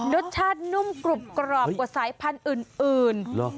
รสชาตินุ่มกรุบกรอบกว่าสายพันธุ์อื่น